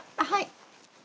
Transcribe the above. はい。